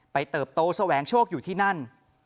เติบโตแสวงโชคอยู่ที่นั่น